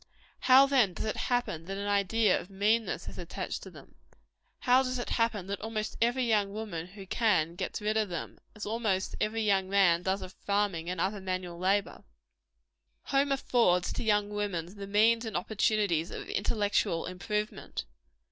How then does it happen that an idea of meanness is attached to them? How does it happen that almost every young woman who can, gets rid of them as almost every young man does of farming and other manual labor. 4. Home affords to young women the means and opportunities of intellectual improvement.